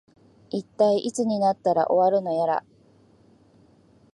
いったい、いつになったら終わるのやら